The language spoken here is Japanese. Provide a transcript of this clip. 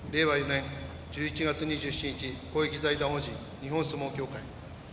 ４年１１月２７日公益財団法人日本相撲協会